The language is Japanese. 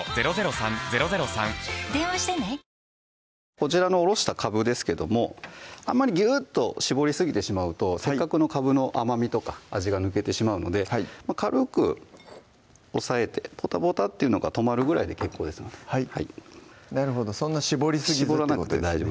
こちらのおろしたかぶですけどもあまりぎゅっと絞りすぎてしまうとせっかくのかぶの甘みとか味が抜けてしまうので軽く押さえてポタポタっていうのが止まるぐらいで結構ですのではいなるほどそんな絞りすぎずってことですね